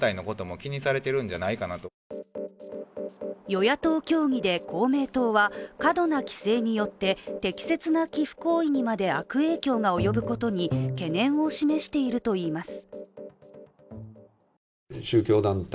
与野党協議で公明党は過度な規制によって適切な寄付行為にまで悪影響が及ぶことに懸念を示しているといいます。